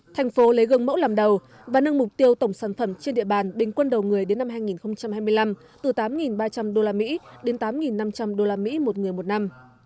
thành phố lấy gương mẫu làm đầu và nâng mục tiêu tổng sản phẩm trên địa bàn bình quân đầu người đến năm hai nghìn hai mươi năm từ tám ba trăm linh usd đến tám năm trăm linh usd một người một năm